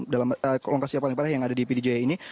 dalam lokasi paling parah yang ada di pdjaya ini